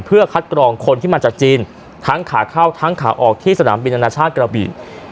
เพื่อคัดกรองคนที่มาจากจีนทั้งขาเข้าทั้งขาออกที่สนามบินอนาชาติกระบี่